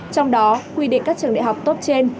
trong đó quy định các trường đại học tốt trên